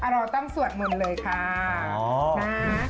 เราต้องสวดมืนเลยครับ